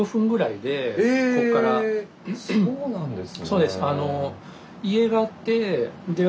そうなんですね。